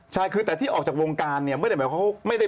ใช่แต่ที่ออกจากวงการไม่ได้หมายความว่าเขาออก